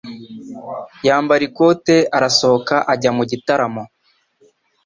Yambara ikote arasohoka ajya mu gitaramo.